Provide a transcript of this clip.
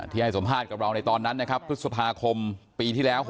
ให้สัมภาษณ์กับเราในตอนนั้นนะครับพฤษภาคมปีที่แล้ว